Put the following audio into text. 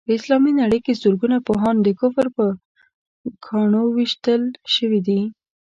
په اسلامي نړۍ کې زرګونه پوهان د کفر په ګاڼو ويشتل شوي دي.